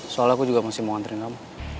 soalnya aku juga masih mau ngantri kamu